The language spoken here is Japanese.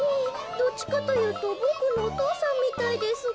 どっちかというとボクのお父さんみたいですが。